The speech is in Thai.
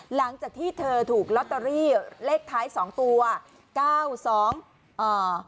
หลังจากที่เธอถูกลอตเตอรี่เลขท้ายสองตัวเก้าสองอ่า